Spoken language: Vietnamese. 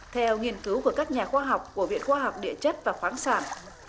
theo nghiên cứu của các nhà khoa học của viện khoa học địa chất và khoáng sản